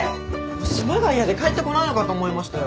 島が嫌で帰ってこないのかと思いましたよ。